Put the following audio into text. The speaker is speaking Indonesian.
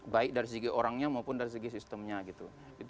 baik dari segi orangnya maupun dari segi sistemnya gitu